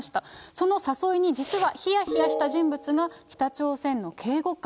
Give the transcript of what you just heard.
その誘いに実はひやひやした人物が北朝鮮の警護官。